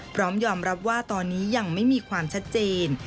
พร้อมยอมรับว่าตอนนี้ยังไม่มีความชัดเจน